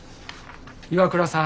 岩倉さん